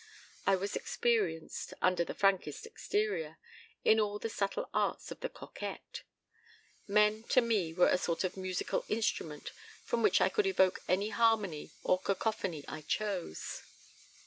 I was experienced, under the frankest exterior, in all the subtle arts of the coquette. Men to me were a sort of musical instrument from which I could evoke any harmony or cacophony I chose.